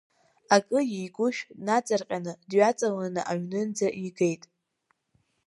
Акы иеигәышә наҵарҟьаны дҩаҵаланы аҩнынӡа игеит.